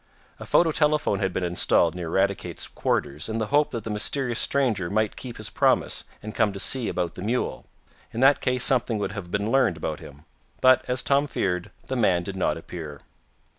A photo telephone had been installed near Eradicate's quarters, in the hope that the mysterious stranger might keep his promise, and come to see about the mule. In that case something would have been learned about him. But, as Tom feared, the man did not appear.